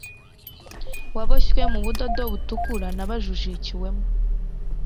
waboshywe mu budodo butukura n'ababijijukiwemo